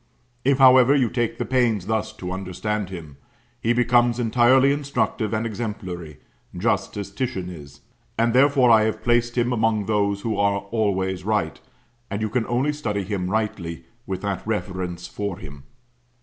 If, however, you take the pains thus to understand him, he becomes entirely instructive and exemplary, just as Titian is; and therefore I have placed him among those are "always right," and you can only study him rightly with that reverence for him.